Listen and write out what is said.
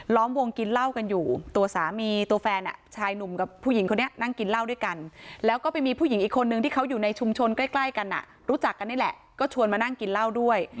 วงกินเหล้ากันอยู่ตัวสามีตัวแฟนชายหนุ่มกับผู้หญิงคนนี้นั่งกินเหล้าด้วยกันแล้วก็ไปมีผู้หญิงอีกคนนึงที่เขาอยู่ในชุมชนใกล้กันอ่ะรู้จักกันนี่แหละก็ชวนมานั่งกินเหล้าด้วย